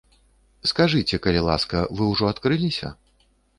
Скажыце, калі ласка, вы ўжо адкрыліся?